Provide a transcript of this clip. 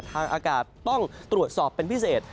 ทางอากาศต้องตรวจสอบเป็นพิเศษ